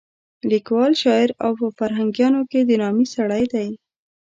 لیکوال، شاعر او په فرهنګیانو کې د نامې سړی دی.